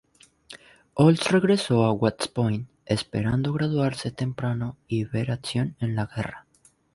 Olds regresó a West Point, esperando graduarse temprano y ver acción en la guerra.